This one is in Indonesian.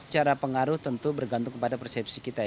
cara pengaruh tentu bergantung kepada persepsi kita ya